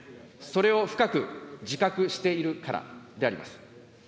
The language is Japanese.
それを深く自覚しているからであります。